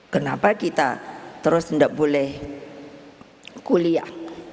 kenapa kita terus tidak boleh kuliah